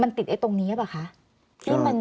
มันติดตรงนี้หรือเปล่าคะ